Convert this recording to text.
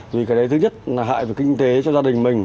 vì cái đấy thứ nhất là hại về kinh tế cho gia đình mình